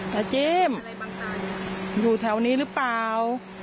เจมส์อยู่แถวนี้หรือเปล่า